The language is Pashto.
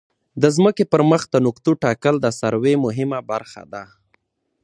د ځمکې پر مخ د نقطو ټاکل د سروې مهمه برخه ده